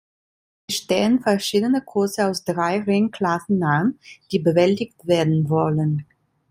Es stehen verschiedene Kurse aus drei Rennklassen an, die bewältigt werden wollen.